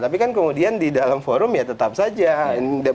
tapi kan kemudian di dalam forum ya tetap saja